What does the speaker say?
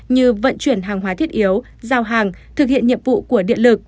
như vận chuyển hàng hóa thiết yếu giao hàng thực hiện nhiệm vụ của điện lực